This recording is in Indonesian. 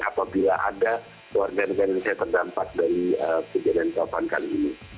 apabila ada warga negara indonesia yang terdampak dari kejadian kelapan kali ini